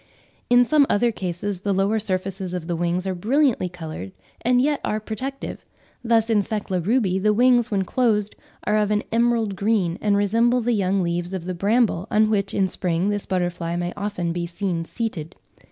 In some other cases the lower surfaces of the wings are brilliantly coloured, and yet are protective; thus in Thecla rubi the wings when closed are of an emerald green, and resemble the young leaves of the bramble, on which in spring this butterfly may often be seen seated.